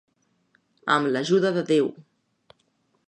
Amb l'ajuda de Déu.